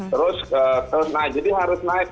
terus nah jadi harus naik